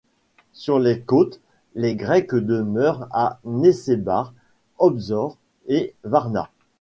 Sur les côtes, les Grecs demeurent à Nessebar, Obzor et Varna.